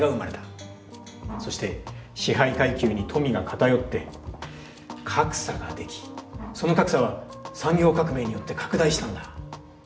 そして支配階級に「富」が偏って「格差」ができその「格差」は産業革命によって拡大したんだ。